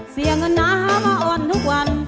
เสียเงินน้ามาอ่อนทุกวัน